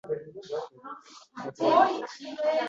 va u to maqsadiga erishmaguncha shu yo‘ldan ketaveradi.